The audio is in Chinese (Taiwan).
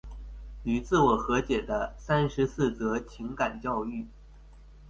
與自我和解的三十四則情感教育